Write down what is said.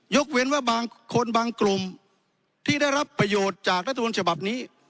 เว้นว่าบางคนบางกลุ่มที่ได้รับประโยชน์จากรัฐมนต์ฉบับนี้